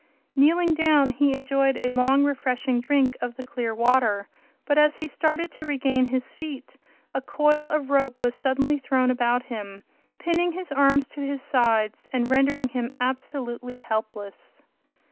Kneeling down, he enjoyed a long, refreshing drink of the clear water, but as he started to regain his feet a coil of rope was suddenly thrown about him, pinning his arms to his sides and rendering him absolutely helpless.